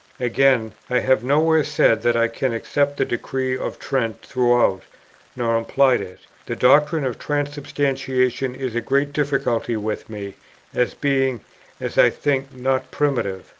"Again, I have nowhere said that I can accept the decrees of Trent throughout, nor implied it. The doctrine of Transubstantiation is a great difficulty with me, as being, as I think, not primitive.